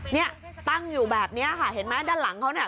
เนี่ยตั้งอยู่แบบนี้ค่ะเห็นไหมด้านหลังเขาเนี่ย